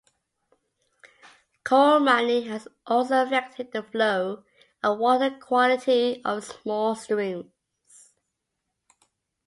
Coal mining has also affected the flow and water quality of small streams.